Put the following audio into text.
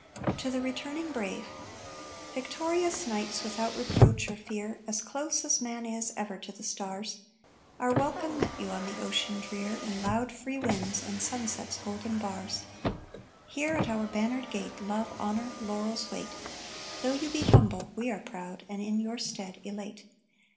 TO THE RETURNING BRAVE Victorious knights without reproach or fear As close as man is ever to the stars! Our welcome met you on the ocean drear In loud, free winds and sunset's golden bars. Here, at our bannered gate Love, honor, laurels wait. Though you be humble, we are proud, and, in your stead, elate.